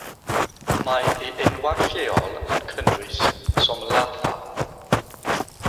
Mae ei enwau lleol yn cynnwys "somlatha".